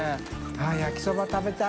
焼きそば食べたい。